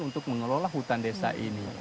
untuk mengelola hutan desa ini